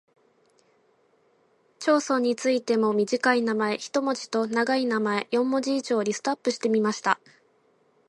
町村についても短い名前（一文字）と長い名前（四文字以上）をリストアップしてみました。